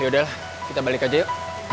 yaudahlah kita balik aja yuk